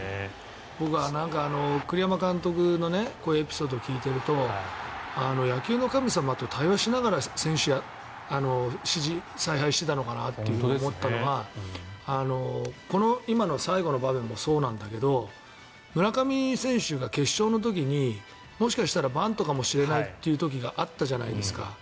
栗山監督のエピソードを聞いていると野球の神様と対話しながら采配していたのかなと思ったのは今の最後の場面もそうなんだけど村上選手が決勝の時にもしかしたらバントかもしれないという時があったじゃないですか。